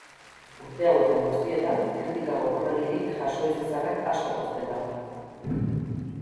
Urte hauetan guztietan kritika gogorregirik jaso ez izanak asko pozten nau.